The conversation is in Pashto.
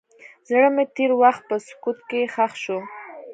زړه مې د تېر وخت په سکوت کې ښخ شو.